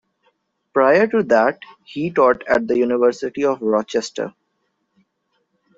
Prior to that, he taught at the University of Rochester.